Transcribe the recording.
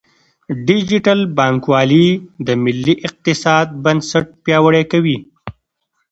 ډیجیټل بانکوالي د ملي اقتصاد بنسټ پیاوړی کوي.